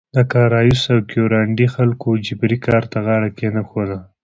د کارایوس او کیورانډي خلکو جبري کار ته غاړه کې نه ایښوده.